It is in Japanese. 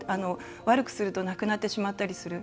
悪くすると亡くなってしまったりする。